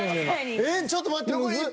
えっちょっと待ってむずっ。